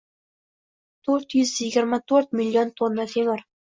To'rt yuz yigirma to'rt million tonna temir